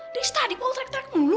dari study poll teriak teriak mulu